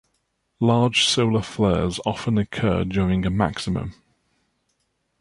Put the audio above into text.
Large solar flares often occur during a maximum.